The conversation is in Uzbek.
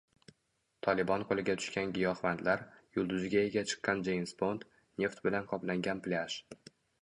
Tolibon qo‘liga tushgan giyohvandlar, yulduziga ega chiqqan Jeyms Bond, neft bilan qoplangan plyaj